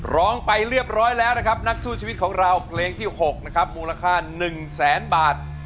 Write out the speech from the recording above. ร้องไปเรียบร้อยแล้วนะครับนักสู้ชีวิตของเราเพลงที่๖นะครับมูลค่า๑แสนบาท